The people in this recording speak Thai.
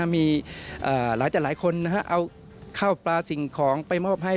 มีหลายคนเอาข้าวปลาสิ่งของไปมอบให้